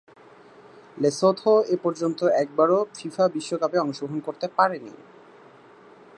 Lesotho এপর্যন্ত একবারও FIFA বিশ্বকাপে অংশগ্রহণ করতে পারেনি।